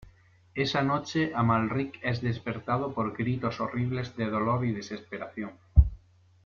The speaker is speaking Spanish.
Esa noche Amalric es despertado por gritos horribles de dolor y desesperación.